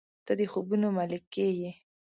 • ته د خوبونو ملکې یې.